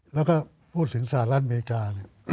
แล้วก็พูดถึงสหรัฐอเมริกา